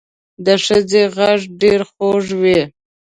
د ښځې غږ ډېر خوږ وي